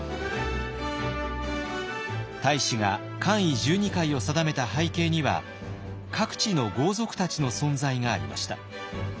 太子が冠位十二階を定めた背景には各地の豪族たちの存在がありました。